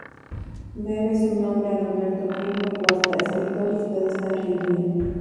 Debe su nombre a Norberto Quirno Costa, escritor y estadista argentino.